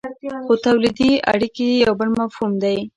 خو تولیدي اړیکې یو بل مفهوم دی.